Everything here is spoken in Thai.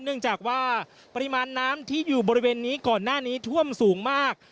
เนื่องจากว่าปริมาณน้ำที่อยู่บริเวณนี้ก่อนหน้านี้ท่วมสูงมาก